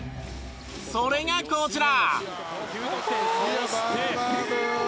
それがこちら！